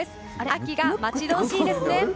秋が待ち遠しいですね。